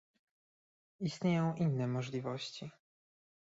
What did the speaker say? Istnieją inne możliwości